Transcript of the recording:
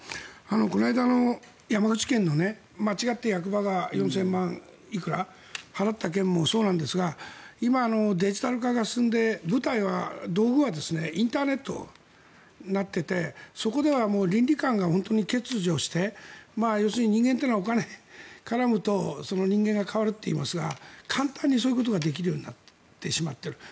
この間の山口県の間違って役場が４０００万円くらい払った件もそうなんですが今、デジタル化が進んで、道具はインターネットになっていてそこでは倫理観が本当に欠如して要するに人間というのはお金が絡むと人間が変わるといいますが簡単にそういうことができるようになってしまっている。